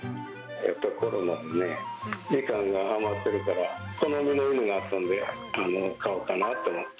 コロナでね、時間が余ってるから、好みの犬がいたので、飼おうかなと思って。